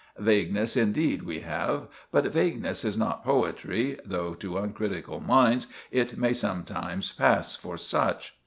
Vagueness, indeed, we have, but vagueness is not poetry, though to uncritical minds it may sometimes pass for such.